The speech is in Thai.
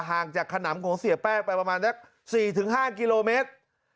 ห่างจากขนำของเสียแป้งไปประมาณสัก๔๕กิโลเมตร